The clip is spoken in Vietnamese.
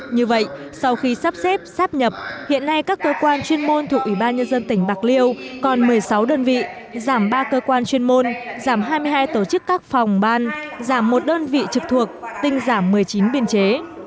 như vậy sau khi sắp xếp sắp nhập hiện nay các cơ quan chuyên môn thuộc ủy ban nhân dân tỉnh bạc liêu còn một mươi sáu đơn vị giảm ba cơ quan chuyên môn giảm hai mươi hai tổ chức các phòng ban giảm một đơn vị trực thuộc tinh giảm một mươi chín biên chế